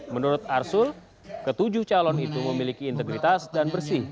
menurut arsul ketujuh calon itu memiliki integritas dan bersih